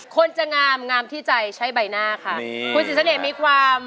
คนจะงามที่ใจใช้ใบหน้าค่ะ